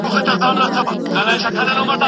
هم په ویښه هم په خوب کي خپل زلمي کلونه وینم